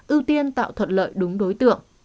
ưu tiên tạo thuận lợi đúng đối tượng